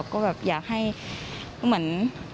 ก็แบบอยากให้เหมือน